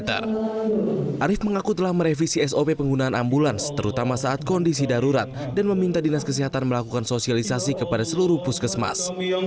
arief mengaku telah merevisi sop penggunaan ambulans terutama saat kondisi darurat dan meminta dinas kesehatan melakukan sosialisasi kepada seluruh puskesmas